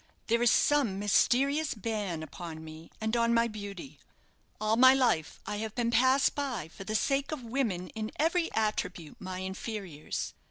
"There is some mysterious ban upon me, and on my beauty. All my life I have been passed by for the sake of women in every attribute my inferiors.